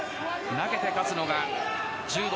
投げて勝つのが柔道。